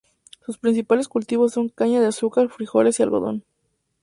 Sus principales cultivos son caña de azúcar, frijoles y algodón.